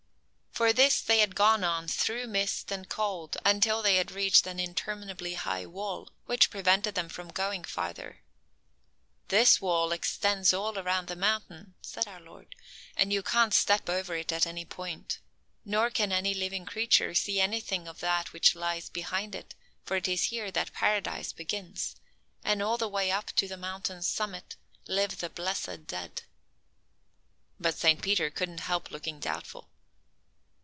For this they had gone on through mist and cold until they had reached an interminably high wall, which prevented them from going farther. "This wall extends all around the mountain," said our Lord, "and you can't step over it at any point. Nor can any living creature see anything of that which lies behind it, for it is here that Paradise begins; and all the way up to the mountain's summit live the blessed dead." But Saint Peter couldn't help looking doubtful.